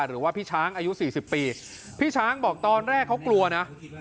หรือว่าพี่ช้างอายุสี่สิบปีพี่ช้างบอกตอนแรกเขากลัวนะ